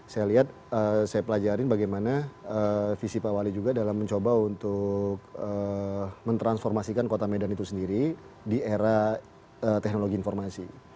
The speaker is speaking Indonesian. saya lihat saya pelajari bagaimana visi pak wali juga dalam mencoba untuk mentransformasikan kota medan itu sendiri di era teknologi informasi